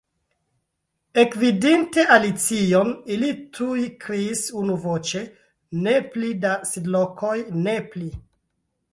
Ekvidinte Alicion, ili tuj kriis unuvoĉe. "Ne pli da sidlokoj, ne pli!"